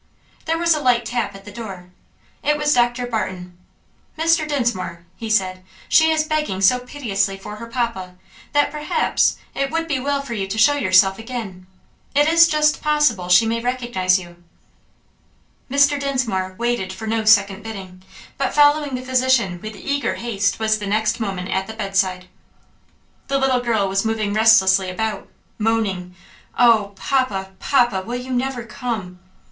There was a light tap at the door. It was Doctor Barton. "Mr. Dinsmore," he said, "she is begging so piteously for her papa that, perhaps, it would be well for you to show yourself again; it is just possible she may recognize you" Mr. Dinsmore waited for no second bidding, but following the physician with eager haste, was the next moment at the bedside. The little girl was moving restlessly about, moaning, "Oh! papa, papa, will you never come?"